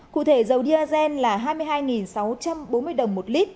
cụ thể dầu diazen là hai mươi hai sáu trăm bốn mươi đồng một lít